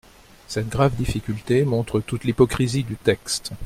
Cette grave difficulté montre toute l’hypocrisie du texte.